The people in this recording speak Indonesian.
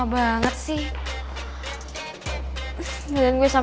ahh balik lagi nih membeli belan